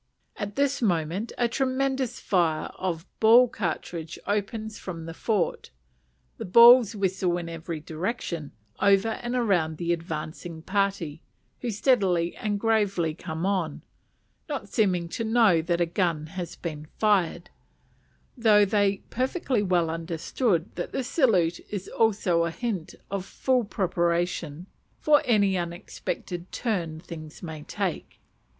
At this moment a tremendous fire of ball cartridge opens from the fort; the balls whistle in every direction, over and around the advancing party, who steadily and gravely come on, not seeming to know that a gun has been fired; though they perfectly well understand that this salute is also a hint of full preparation for any unexpected turn things may take.